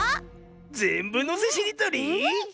「ぜんぶのせしりとり」？